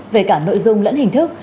về cả nội dung lẫn hình thức